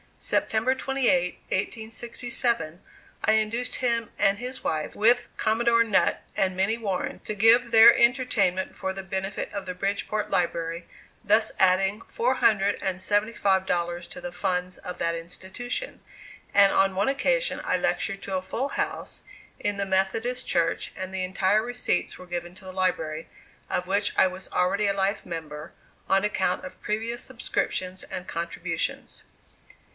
September 28, 1867, I induced him and his wife, with Commodore Nutt and Minnie Warren to give their entertainment for the benefit of the Bridgeport Library, thus adding $475 to the funds of that institution; and on one occasion I lectured to a full house in the Methodist Church, and the entire receipts were given to the library, of which I was already a life member, on account of previous subscriptions and contributions.